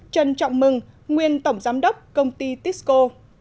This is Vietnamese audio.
trần trọng mừng nguyên tổng giám đốc công ty tisco